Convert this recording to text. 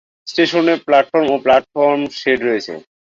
স্টেশনটিতে platform ও platform shed রয়েছে।